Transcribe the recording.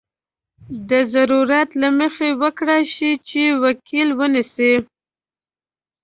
د ضرورت له مخې وکړای شي چې وکیل ونیسي.